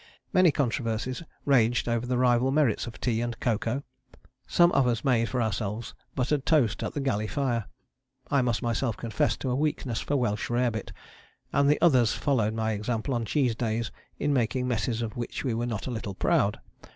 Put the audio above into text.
Many controversies raged over the rival merits of tea and cocoa. Some of us made for ourselves buttered toast at the galley fire; I must myself confess to a weakness for Welsh Rarebit, and others followed my example on cheese days in making messes of which we were not a little proud.